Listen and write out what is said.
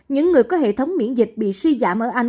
những người có hệ thống miễn dịch bị suy giảm ở anh